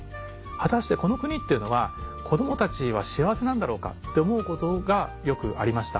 果たしてこの国っていうのは子どもたちは幸せなんだろうかって思うことがよくありました。